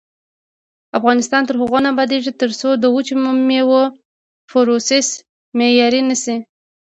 افغانستان تر هغو نه ابادیږي، ترڅو د وچو میوو پروسس معیاري نشي.